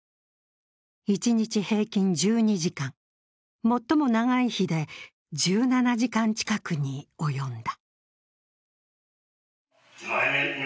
一日平均１２時間、最も長い日で１７時間近くに及んだ。